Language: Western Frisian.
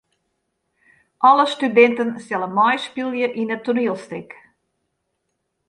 Alle studinten sille meispylje yn it toanielstik.